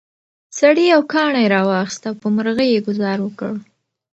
سړي یو کاڼی راواخیست او په مرغۍ یې ګوزار وکړ.